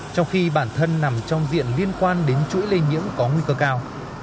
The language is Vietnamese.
trong khi bản thân nằm trong diện liên quan đến chuỗi lây nhiễm có nguy cơ cao